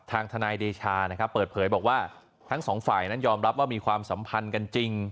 ทนายเดชานะครับเปิดเผยบอกว่าทั้งสองฝ่ายนั้นยอมรับว่ามีความสัมพันธ์กันจริง